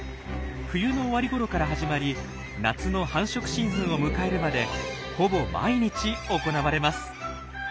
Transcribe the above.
冬の終わりごろから始まり夏の繁殖シーズンを迎えるまでほぼ毎日行われます。